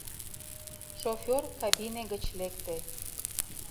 Шофёр кабине гыч лекте.